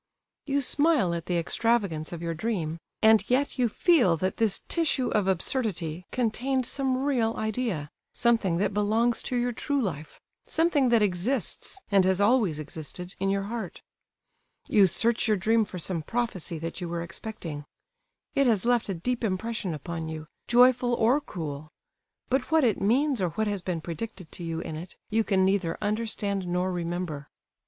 You smile at the extravagance of your dream, and yet you feel that this tissue of absurdity contained some real idea, something that belongs to your true life,—something that exists, and has always existed, in your heart. You search your dream for some prophecy that you were expecting. It has left a deep impression upon you, joyful or cruel, but what it means, or what has been predicted to you in it, you can neither understand nor remember.